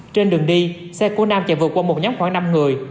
trên đường đi xe của nam chạy vượt qua một nhóm khoảng năm người